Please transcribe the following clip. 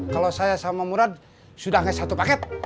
kalau saya sama murad sudah ngasih satu paket